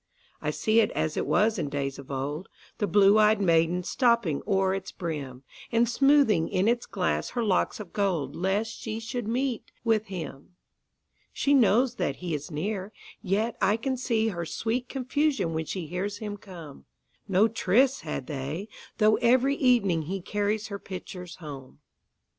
I see it as it was in days of old, The blue ey'd maiden stooping o'er its brim, And smoothing in its glass her locks of gold, Lest she should meet with him. She knows that he is near, yet I can seeHer sweet confusion when she hears him come.No tryst had they, though every evening heCarries her pitchers home.